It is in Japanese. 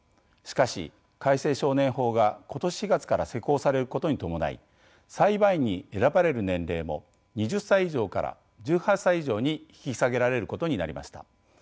しかし改正少年法が今年４月から施行されることに伴い裁判員に選ばれる年齢も２０歳以上から１８歳以上に引き下げられることになりました。